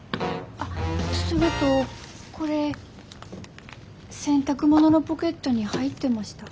あっそれとこれ洗濯物のポケットに入ってました。